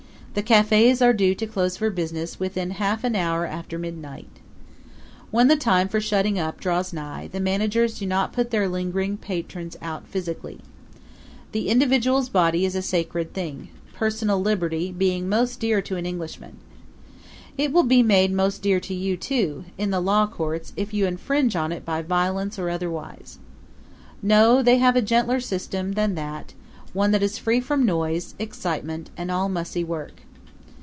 The cafes are due to close for business within half an hour after midnight. When the time for shutting up draws nigh the managers do not put their lingering patrons out physically. The individual's body is a sacred thing, personal liberty being most dear to an Englishman. It will be made most dear to you too in the law courts if you infringe on it by violence or otherwise. No; they have a gentler system than that, one that is free from noise, excitement and all mussy work.